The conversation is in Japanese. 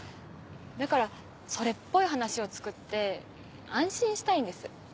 だからそれっぽい話をつくって安心したいんです。